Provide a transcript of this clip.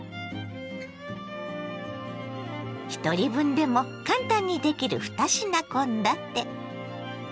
ひとり分でも簡単にできる２品献立。